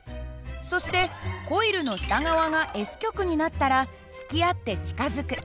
そしてコイルの下側がＳ極になったら引き合って近づく。